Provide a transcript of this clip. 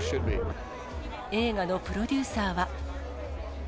映画のプロデューサーは。